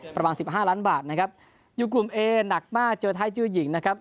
ประมาณสิบห้าล้านบาทนะครับอยู่กลุ่มเอหนักมากเจอไทยจื้อหญิงนะครับ